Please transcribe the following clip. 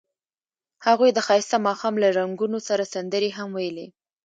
هغوی د ښایسته ماښام له رنګونو سره سندرې هم ویلې.